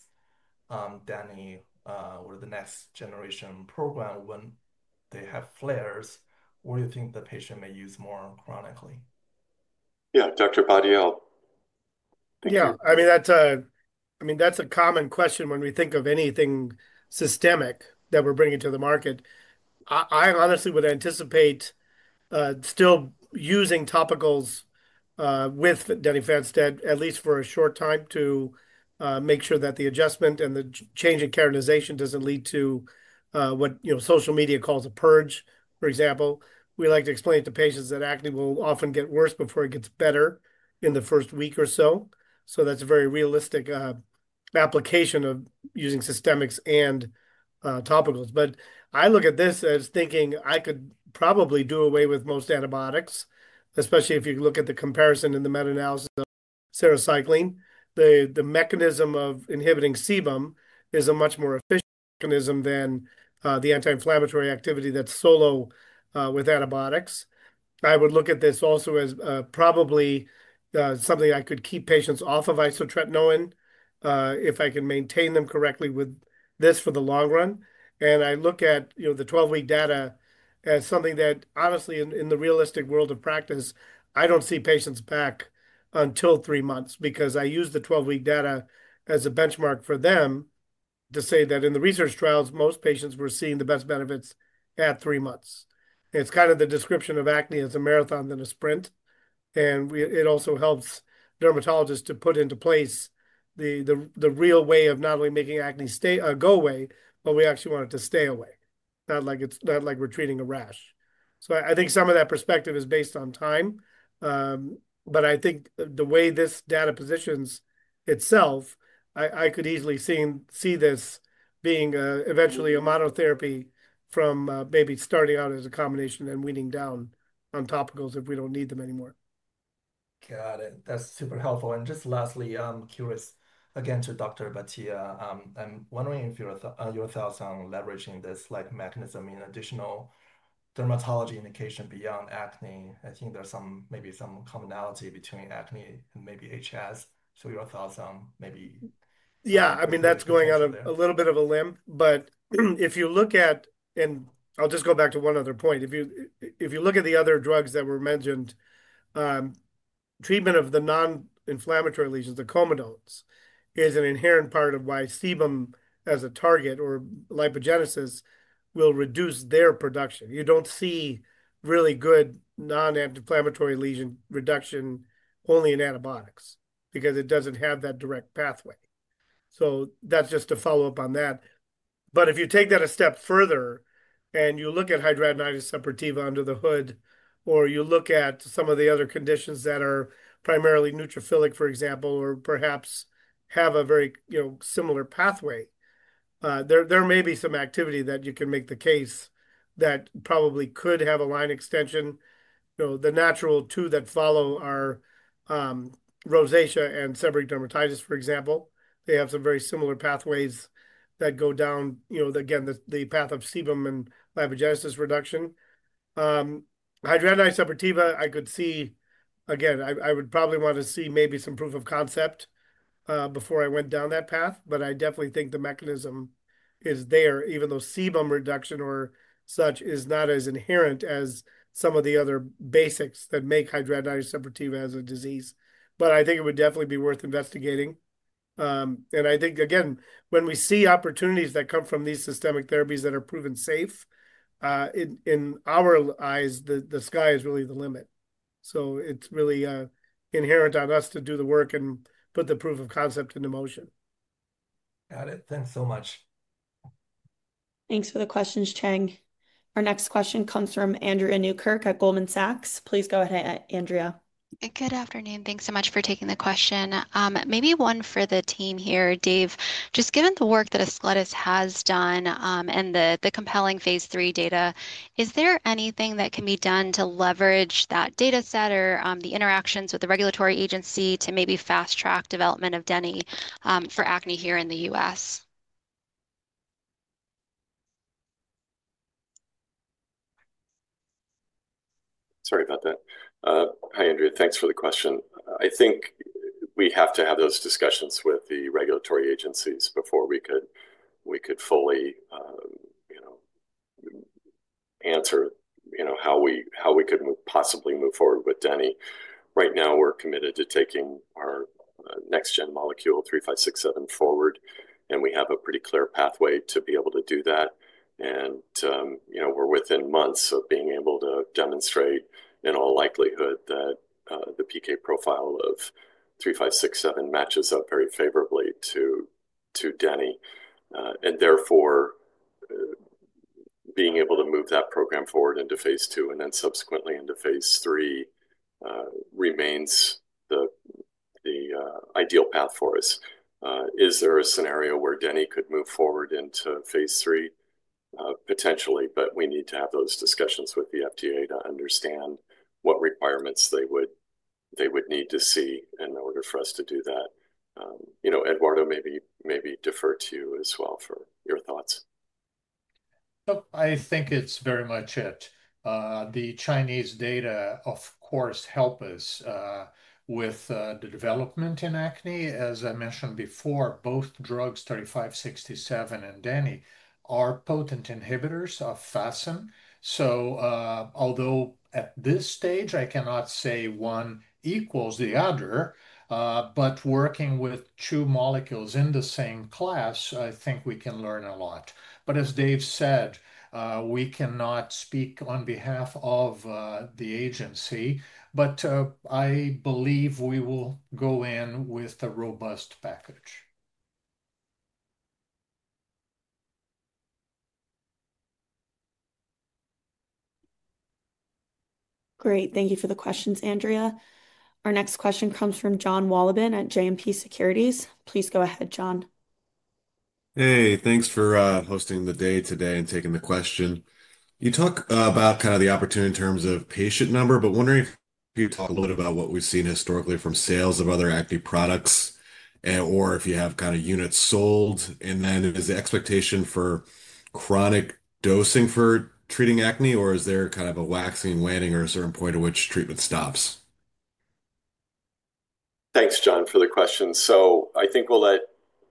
Denny or the next generation program when they have flares, or you think the patient may use more chronically? Yeah. Dr. Bhatia. Yeah. I mean, that's a common question when we think of anything systemic that we're bringing to the market. I honestly would anticipate still using topicals with denifanstat, at least for a short time, to make sure that the adjustment and the change in keratinization doesn't lead to what social media calls a purge, for example. We like to explain to patients that acne will often get worse before it gets better in the first week or so. That's a very realistic application of using systemics and topicals. I look at this as thinking I could probably do away with most antibiotics, especially if you look at the comparison in the meta-analysis of sarecycline. The mechanism of inhibiting sebum is a much more efficient mechanism than the anti-inflammatory activity that's solo with antibiotics. I would look at this also as probably something I could keep patients off of isotretinoin if I can maintain them correctly with this for the long run. I look at the 12-week data as something that, honestly, in the realistic world of practice, I do not see patients back until three months because I use the 12-week data as a benchmark for them to say that in the research trials, most patients were seeing the best benefits at three months. It is kind of the description of acne as a marathon than a sprint. It also helps dermatologists to put into place the real way of not only making acne go away, but we actually want it to stay away. Not like we're treating a rash. I think some of that perspective is based on time. I think the way this data positions itself, I could easily see this being eventually a monotherapy from maybe starting out as a combination and weaning down on topicals if we do not need them anymore. Got it. That is super helpful. Just lastly, I am curious, again, to Dr. Bhatia. I am wondering if your thoughts on leveraging this mechanism in additional dermatology indication beyond acne. I think there is maybe some commonality between acne and maybe HS. Your thoughts on maybe. Yeah. I mean, that is going out a little bit of a limb. If you look at, and I'll just go back to one other point. If you look at the other drugs that were mentioned, treatment of the non-inflammatory lesions, the comedones, is an inherent part of why sebum as a target or lipogenesis will reduce their production. You don't see really good non-inflammatory lesion reduction only in antibiotics because it doesn't have that direct pathway. That's just a follow-up on that. If you take that a step further and you look at hidradenitis suppurativa under the hood, or you look at some of the other conditions that are primarily neutrophilic, for example, or perhaps have a very similar pathway, there may be some activity that you can make the case that probably could have a line extension. The natural two that follow are rosacea and seborrheic dermatitis, for example. They have some very similar pathways that go down, again, the path of sebum and lipogenesis reduction. Hidradenitis suppurativa, I could see, again, I would probably want to see maybe some proof of concept before I went down that path. I definitely think the mechanism is there, even though sebum reduction or such is not as inherent as some of the other basics that make hidradenitis suppurativa as a disease. I think it would definitely be worth investigating. I think, again, when we see opportunities that come from these systemic therapies that are proven safe, in our eyes, the sky is really the limit. It is really inherent on us to do the work and put the proof of concept into motion. Got it. Thanks so much. Thanks for the questions, Chang. Our next question comes from Andrea Newkirk at Goldman Sachs. Please go ahead, Andrea. Good afternoon. Thanks so much for taking the question. Maybe one for the team here, Dave. Just given the work that Ascletis has done and the compelling phase three data, is there anything that can be done to leverage that dataset or the interactions with the regulatory agency to maybe fast-track development of Denny for acne here in the U.S.? Sorry about that. Hi, Andrea. Thanks for the question. I think we have to have those discussions with the regulatory agencies before we could fully answer how we could possibly move forward with Denny. Right now, we're committed to taking our next-gen molecule 3567 forward. We have a pretty clear pathway to be able to do that. We're within months of being able to demonstrate in all likelihood that the PK profile of 3567 matches up very favorably to Denny. Therefore, being able to move that program forward into phase two and then subsequently into phase three remains the ideal path for us. Is there a scenario where Denny could move forward into phase three? Potentially, but we need to have those discussions with the FDA to understand what requirements they would need to see in order for us to do that. Eduardo, maybe defer to you as well for your thoughts. I think it's very much it. The Chinese data, of course, help us with the development in acne. As I mentioned before, both drugs, 3567 and Denny, are potent inhibitors of FASN. Although at this stage, I cannot say one equals the other, but working with two molecules in the same class, I think we can learn a lot. As Dave said, we cannot speak on behalf of the agency, but I believe we will go in with a robust package. Great. Thank you for the questions, Andrea. Our next question comes from Jon Wolleben at JMP Securities. Please go ahead, John. Hey, thanks for hosting the day today and taking the question. You talk about kind of the opportunity in terms of patient number, but wondering if you could talk a little bit about what we've seen historically from sales of other acne products or if you have kind of units sold. Is the expectation for chronic dosing for treating acne, or is there kind of a waxing and waning or a certain point at which treatment stops? Thanks, John, for the question. I think we'll let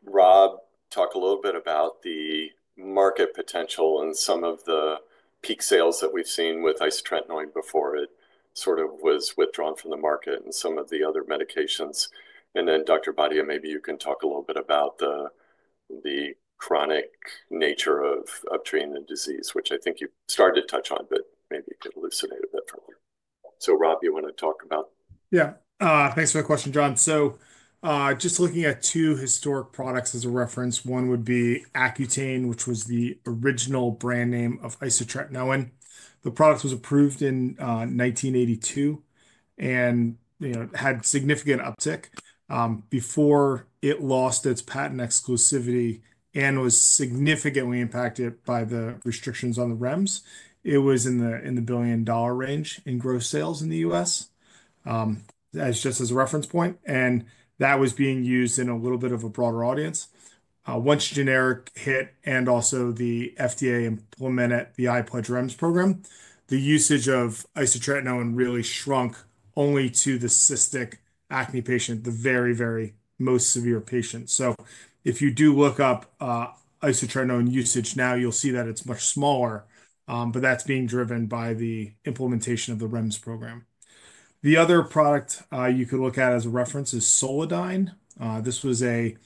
Rob talk a little bit about the market potential and some of the peak sales that we've seen with isotretinoin before it sort of was withdrawn from the market and some of the other medications. Dr. Bhatia, maybe you can talk a little bit about the chronic nature of treating the disease, which I think you started to touch on, but maybe you could elucidate a bit further. Rob, you want to talk about? Yeah. Thanks for the question, Jon. Just looking at two historic products as a reference, one would be Accutane, which was the original brand name of isotretinoin. The product was approved in 1982 and had significant uptick before it lost its patent exclusivity and was significantly impacted by the restrictions on the REMS. It was in the billion-dollar range in gross sales in the U.S. Just as a reference point. That was being used in a little bit of a broader audience. Once generic hit and also the FDA implemented the iPLEDGE REMS program, the usage of isotretinoin really shrunk only to the cystic acne patient, the very, very most severe patient. If you do look up isotretinoin usage now, you'll see that it's much smaller, but that's being driven by the implementation of the REMS program. The other product you could look at as a reference is Solodyn. This was an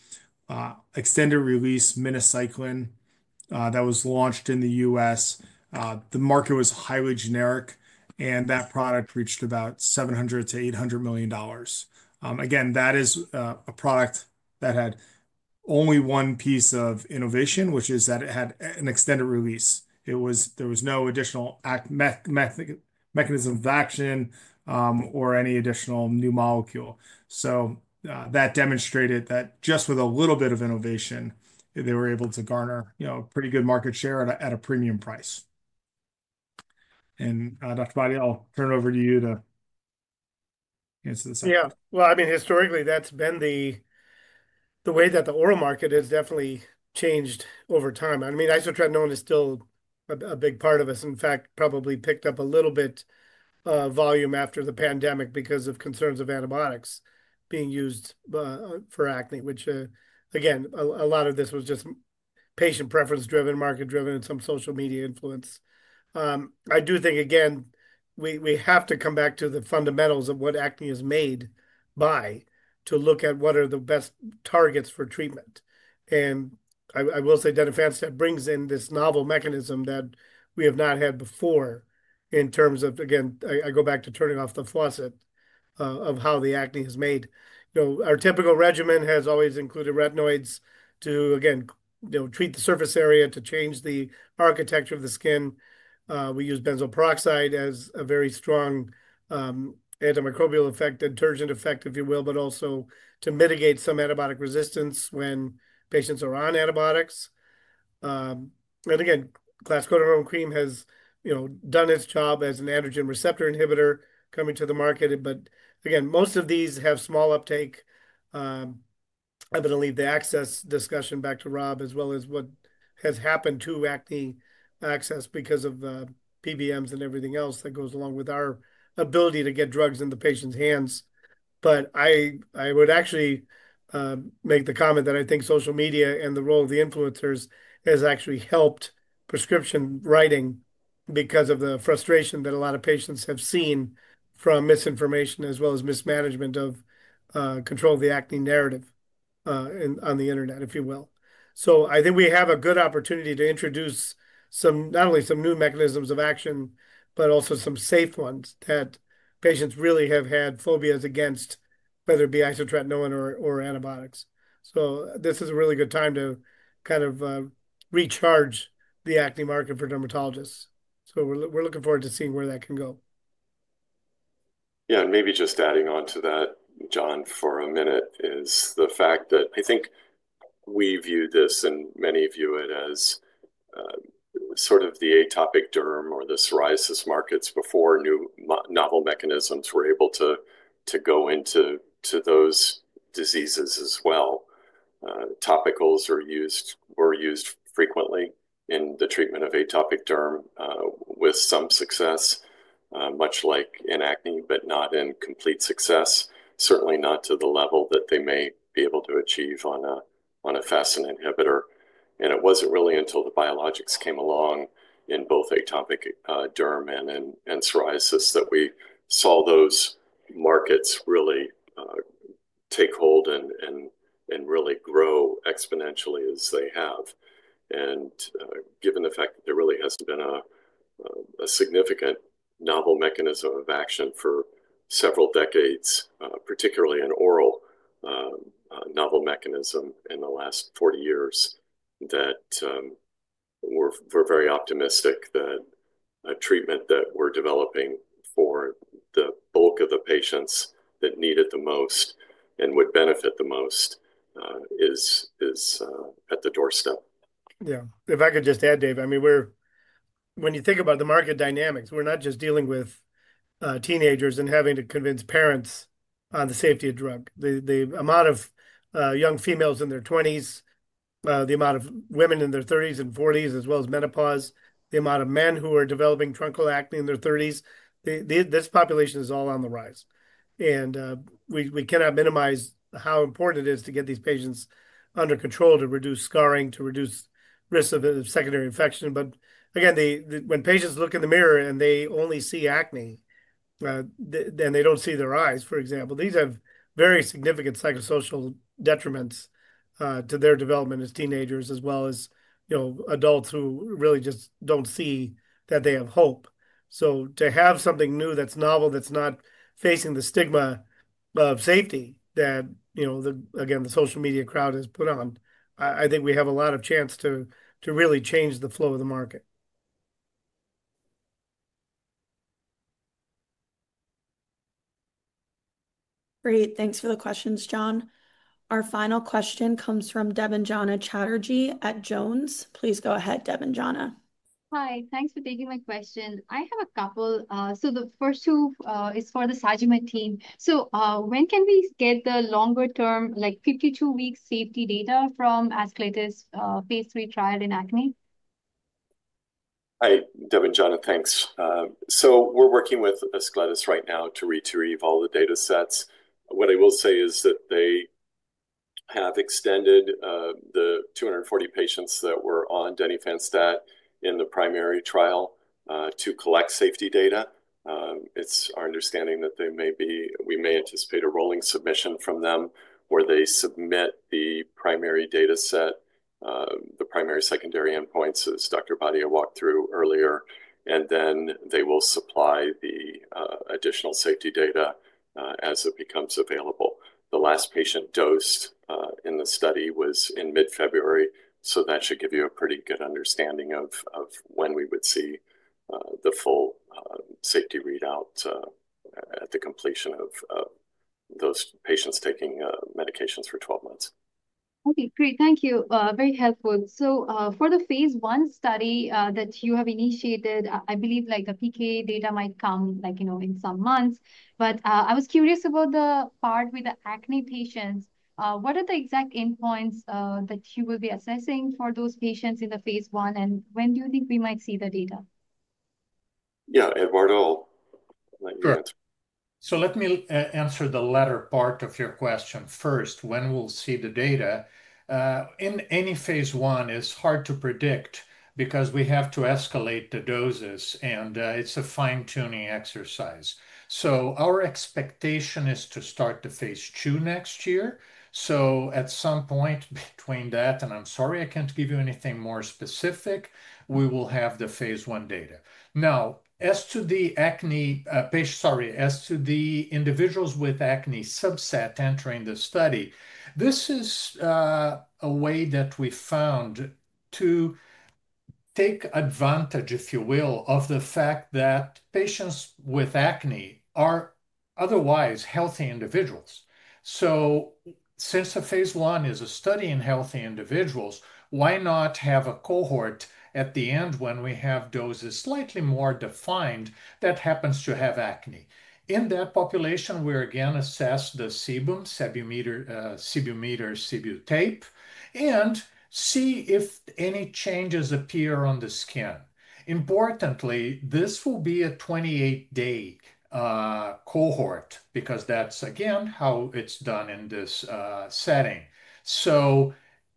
extended-release minocycline that was launched in the U.S. The market was highly generic, and that product reached about $700-$800 million. Again, that is a product that had only one piece of innovation, which is that it had an extended release. There was no additional mechanism of action or any additional new molecule. That demonstrated that just with a little bit of innovation, they were able to garner a pretty good market share at a premium price. Dr. Bhatia, I'll turn it over to you to answer this question. Yeah. I mean, historically, that's been the way that the oral market has definitely changed over time. I mean, isotretinoin is still a big part of us. In fact, probably picked up a little bit of volume after the pandemic because of concerns of antibiotics being used for acne, which, again, a lot of this was just patient preference-driven, market-driven, and some social media influence. I do think, again, we have to come back to the fundamentals of what acne is made by to look at what are the best targets for treatment. I will say denifanstat brings in this novel mechanism that we have not had before in terms of, again, I go back to turning off the faucet of how the acne is made. Our typical regimen has always included retinoids to, again, treat the surface area, to change the architecture of the skin. We use benzoyl peroxide as a very strong antimicrobial effect, detergent effect, if you will, but also to mitigate some antibiotic resistance when patients are on antibiotics. Again, clascoterone cream has done its job as an androgen receptor inhibitor coming to the market. Again, most of these have small uptake. I'm going to leave the access discussion back to Rob as well as what has happened to acne access because of the PBMs and everything else that goes along with our ability to get drugs in the patient's hands. I would actually make the comment that I think social media and the role of the influencers has actually helped prescription writing because of the frustration that a lot of patients have seen from misinformation as well as mismanagement of control of the acne narrative on the internet, if you will. I think we have a good opportunity to introduce not only some new mechanisms of action, but also some safe ones that patients really have had phobias against, whether it be isotretinoin or antibiotics. This is a really good time to kind of recharge the acne market for dermatologists. We're looking forward to seeing where that can go. Yeah. Maybe just adding on to that, Jon, for a minute is the fact that I think we view this and many view it as sort of the atopic derm or the psoriasis markets before new novel mechanisms were able to go into those diseases as well. Topicals were used frequently in the treatment of atopic derm with some success, much like in acne, but not in complete success, certainly not to the level that they may be able to achieve on a FASN inhibitor. It was not really until the biologics came along in both atopic derm and psoriasis that we saw those markets really take hold and really grow exponentially as they have. Given the fact that there really hasn't been a significant novel mechanism of action for several decades, particularly an oral novel mechanism in the last 40 years, we are very optimistic that a treatment that we are developing for the bulk of the patients that need it the most and would benefit the most is at the doorstep. Yeah. If I could just add, Dave, I mean, when you think about the market dynamics, we are not just dealing with teenagers and having to convince parents on the safety of drugs. The amount of young females in their 20s, the amount of women in their 30s and 40s, as well as menopause, the amount of men who are developing truncal acne in their 30s, this population is all on the rise. We cannot minimize how important it is to get these patients under control to reduce scarring, to reduce risk of secondary infection. When patients look in the mirror and they only see acne, and they do not see their eyes, for example, these have very significant psychosocial detriments to their development as teenagers as well as adults who really just do not see that they have hope. To have something new that is novel, that is not facing the stigma of safety that, again, the social media crowd has put on, I think we have a lot of chance to really change the flow of the market. Great. Thanks for the questions, Jon. Our final question comes from Debanjana Chatterjee at Jones. Please go ahead, Deb and Jana. Hi. Thanks for taking my question. I have a couple. The first two is for the Sagimet team. When can we get the longer-term, like 52-week safety data from Ascletis phase three trial in acne? Hi, Debanjana. Thanks. We're working with Ascletis right now to retrieve all the data sets. What I will say is that they have extended the 240 patients that were on denifanstat in the primary trial to collect safety data. It's our understanding that we may anticipate a rolling submission from them where they submit the primary data set, the primary secondary endpoints, as Dr. Bhatia walked through earlier. They will supply the additional safety data as it becomes available. The last patient dosed in the study was in mid-February. That should give you a pretty good understanding of when we would see the full safety readout at the completion of those patients taking medications for 12 months. Okay. Great. Thank you. Very helpful. For the phase one study that you have initiated, I believe the PK data might come in some months. I was curious about the part with the acne patients. What are the exact endpoints that you will be assessing for those patients in the phase one? When do you think we might see the data? Yeah. Eduardo, let me answer. Let me answer the latter part of your question first. When we'll see the data? In any phase one, it's hard to predict because we have to escalate the doses, and it's a fine-tuning exercise. Our expectation is to start the phase two next year. At some point between that, and I'm sorry, I can't give you anything more specific, we will have the phase one data. Now, as to the acne patients, sorry, as to the individuals with acne subset entering the study, this is a way that we found to take advantage, if you will, of the fact that patients with acne are otherwise healthy individuals. Since phase one is a study in healthy individuals, why not have a cohort at the end when we have doses slightly more defined that happens to have acne? In that population, we again assess the sebum, sebum meter, sebum tape, and see if any changes appear on the skin. Importantly, this will be a 28-day cohort because that's, again, how it's done in this setting.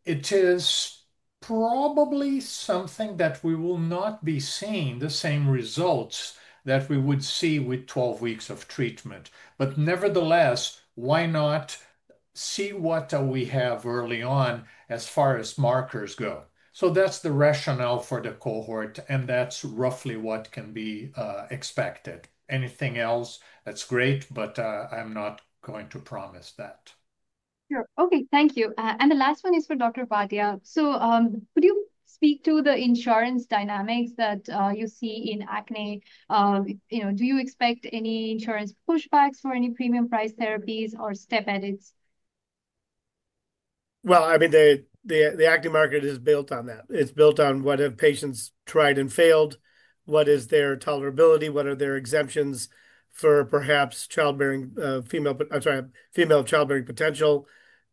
It is probably something that we will not be seeing the same results that we would see with 12 weeks of treatment. Nevertheless, why not see what we have early on as far as markers go? That's the rationale for the cohort, and that's roughly what can be expected. Anything else, that's great, but I'm not going to promise that. Sure. Okay. Thank you. The last one is for Dr. Bhatia. Could you speak to the insurance dynamics that you see in acne? Do you expect any insurance pushbacks for any premium price therapies or step edits? I mean, the acne market is built on that. It's built on what have patients tried and failed? What is their tolerability? What are their exemptions for perhaps female childbearing potential?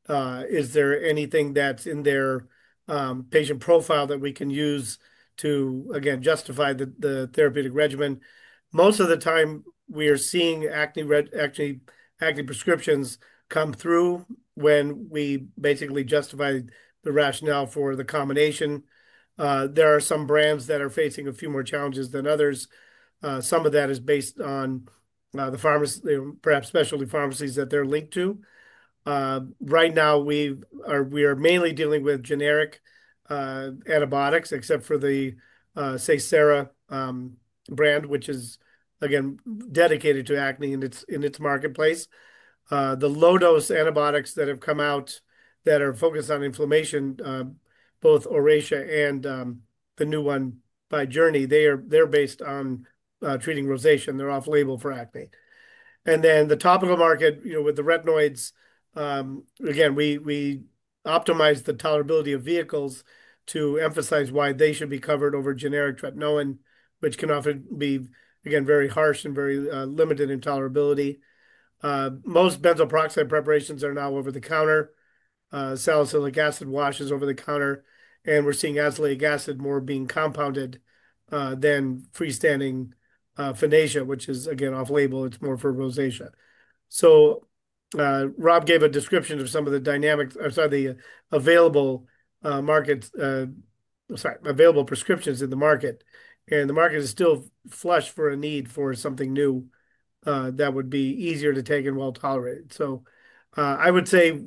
Is there anything that's in their patient profile that we can use to, again, justify the therapeutic regimen? Most of the time, we are seeing acne prescriptions come through when we basically justify the rationale for the combination. There are some brands that are facing a few more challenges than others. Some of that is based on the pharmacies, perhaps specialty pharmacies that they're linked to. Right now, we are mainly dealing with generic antibiotics, except for the, say, Sera brand, which is, again, dedicated to acne in its marketplace. The low-dose antibiotics that have come out that are focused on inflammation, both Oracea and the new one by Journey, they're based on treating rosacea. They're off-label for acne. The topical market with the retinoids, again, we optimize the tolerability of vehicles to emphasize why they should be covered over generic tretinoin, which can often be, again, very harsh and very limited in tolerability. Most benzoyl peroxide preparations are now over the counter. Salicylic acid wash is over the counter. We are seeing azelaic acid more being compounded than freestanding Finacea, which is, again, off-label. It is more for rosacea. Rob gave a description of some of the dynamics—I'm sorry, the available market—sorry, available prescriptions in the market. The market is still flush for a need for something new that would be easier to take and well tolerated. I would say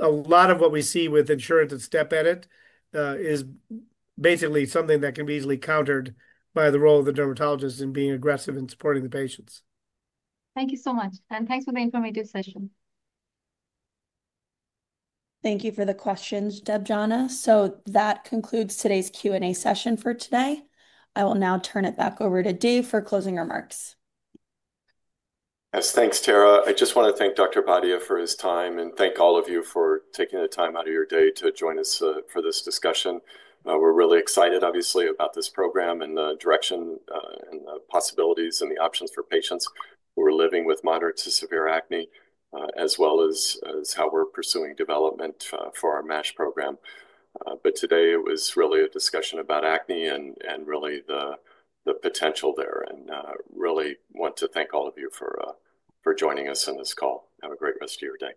a lot of what we see with insurance and step edit is basically something that can be easily countered by the role of the dermatologist in being aggressive in supporting the patients. Thank you so much. Thanks for the informative session. Thank you for the questions, Debanjana. That concludes today's Q&A session for today. I will now turn it back over to Dave for closing remarks. Yes. Thanks, Tara. I just want to thank Dr. Bhatia for his time and thank all of you for taking the time out of your day to join us for this discussion. We're really excited, obviously, about this program and the direction and the possibilities and the options for patients who are living with moderate to severe acne, as well as how we're pursuing development for our MASH program. Today, it was really a discussion about acne and really the potential there. Really want to thank all of you for joining us in this call. Have a great rest of your day.